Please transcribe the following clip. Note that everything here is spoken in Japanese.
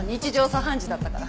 茶飯事だったから。